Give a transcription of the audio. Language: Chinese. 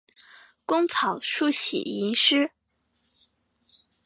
工草书喜吟诗。